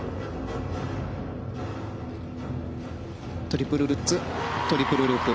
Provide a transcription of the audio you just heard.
トリプルルッツトリプルループ。